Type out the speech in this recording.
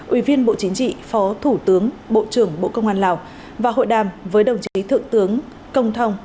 ủy viên bộ chính trị phó thủ tướng bộ trưởng bộ công an lào và hội đàm với đồng chí thượng tướng công thông